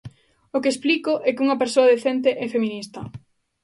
O que explico é que unha persoa decente é feminista.